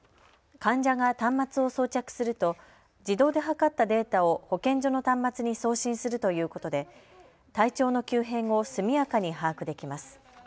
患者が端末を装着すると自動で測ったデータを保健所の端末に送信するということで体調の急変を速やかに把握できます。